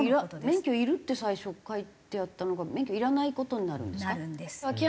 「免許いる」って最初書いてあったのが免許いらない事になるんですか？